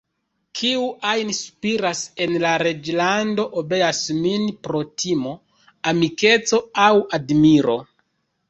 Kiu ajn spiras en la reĝlando, obeas min pro timo, amikeco aŭ admiro.